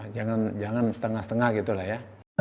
jangan setengah setengah gitu lah ya